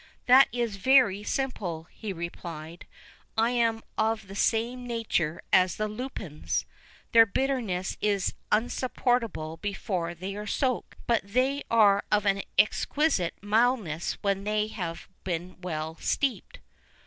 "That is very simple," he replied; "I am of the same nature as the lupins: their bitterness is insupportable before they are soaked, but they are of an exquisite mildness when they have been well steeped."